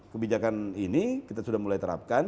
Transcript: kebijakan ini kita sudah mulai terapkan